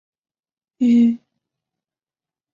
於是自己慢慢走回屋内